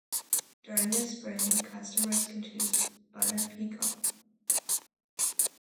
During the Spring, customers can choose butter pecan.